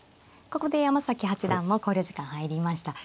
ここで山崎八段も考慮時間入りました。